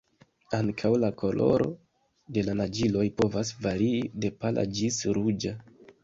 Ankaŭ la koloro de la naĝiloj povas varii, de pala ĝis ruĝa.